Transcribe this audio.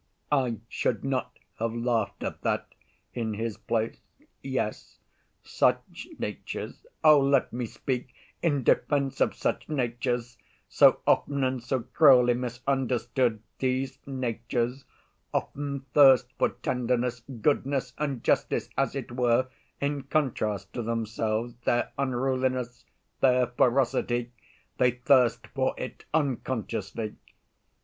I should not have laughed at that in his place. Yes, such natures—oh, let me speak in defense of such natures, so often and so cruelly misunderstood—these natures often thirst for tenderness, goodness, and justice, as it were, in contrast to themselves, their unruliness, their ferocity—they thirst for it unconsciously.